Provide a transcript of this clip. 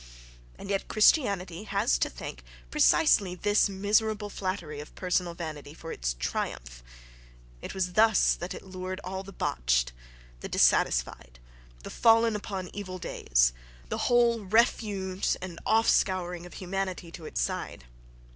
And yet Christianity has to thank precisely this miserable flattery of personal vanity for its triumph—it was thus that it lured all the botched, the dissatisfied, the fallen upon evil days, the whole refuse and off scouring of humanity to its side.